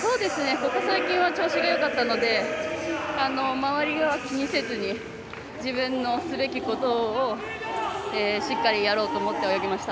ここ最近は調子がよかったので周りは気にせずに自分のすべきことをしっかりやろうと思って泳ぎました。